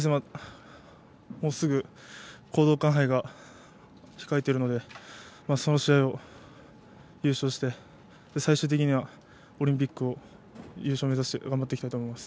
もうすぐ講道館杯が控えているのでその試合で優勝して最終的にはオリンピックで優勝を目指して頑張っていきたいと思います。